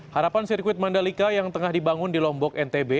harapan sirkuit mandalika yang tengah dibangun di lombok ntb